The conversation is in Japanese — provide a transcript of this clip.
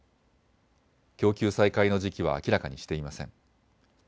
供給再開の時期は明らかにしていません。